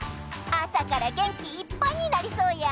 あさからげんきいっぱいになりそうや。